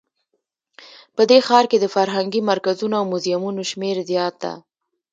په دې ښار کې د فرهنګي مرکزونو او موزیمونو شمیر زیات ده